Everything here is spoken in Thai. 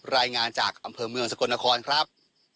รายงานจากอำเภอเมืองสกลนครครับ